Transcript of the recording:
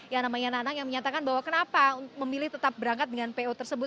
yang namanya nanang yang menyatakan bahwa kenapa memilih tetap berangkat dengan po tersebut